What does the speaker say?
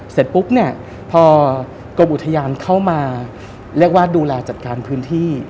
เสร็จปุ๊บเนี่ยพอกรมอุทยานเข้ามาเรียกว่าดูแลจัดการพื้นที่